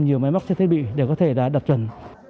nhiều máy móc trên thiết bị để có thể đặt chuẩn